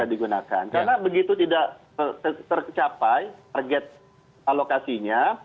karena begitu tidak tercapai target alokasinya